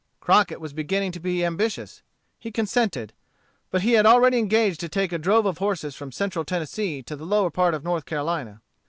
Crockett was beginning to be ambitious. He consented. But he had already engaged to take a drove of horses from Central Tennessee to the lower part of North Carolina.